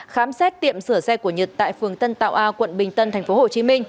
khám xét tiệm sửa xe của nhật tại phường tân tạo a quận bình tân tp hcm